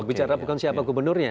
bicara bukan siapa gubernurnya